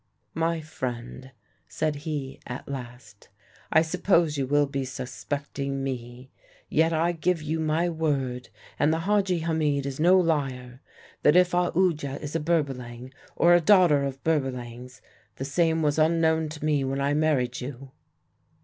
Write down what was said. "'My friend,' said he at last, 'I suppose you will be suspecting me; yet I give you my word and the Hadji Hamid is no liar that if Aoodya is a Berbalang, or a daughter of Berbalangs, the same was unknown to me when I married you.'